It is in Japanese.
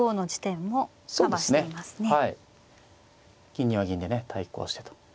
銀には銀でね対抗してと。